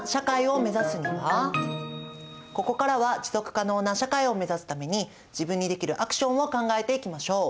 ここからは持続可能な社会を目指すために自分にできるアクションを考えていきましょう！